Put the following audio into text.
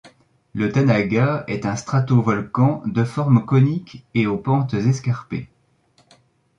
Le Tanaga est un stratovolcan de forme conique et aux pentes escarpées.